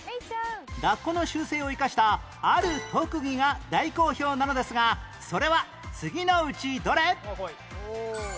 ラッコの習性を生かしたある特技が大好評なのですがそれは次のうちどれ？